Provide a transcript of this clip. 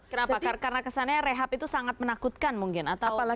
kenapa karena kesannya rehab itu sangat menakutkan mungkin atau